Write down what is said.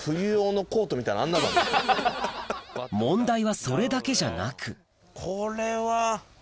問題はそれだけじゃなくこれは。